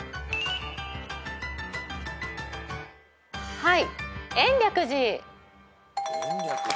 はい。